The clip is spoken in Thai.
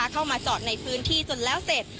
เข้ามาจอดในพื้นที่จนแล้วเสร็จ